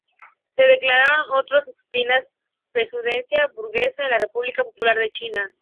Se declararon otras disciplinas "pseudociencia burguesa" en la República Popular de China.